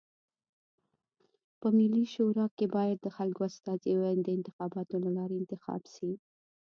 په ملي شورا کي بايد د خلکو استازي د انتخاباتو د لاري انتخاب سی.